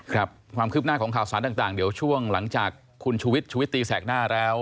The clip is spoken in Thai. ครับความคืบหน้าของข่าวสารต่างเดี๋ยวช่วงหลังจากคุณชุวิตชุวิตตีแสกหน้าแล้ว